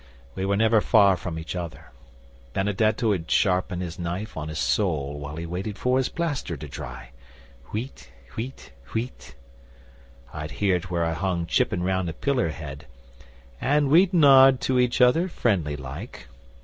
We were never far from each other. Benedetto 'ud sharpen his knife on his sole while he waited for his plaster to dry wheet, wheet, wheet. I'd hear it where I hung chipping round a pillar head, and we'd nod to each other friendly like.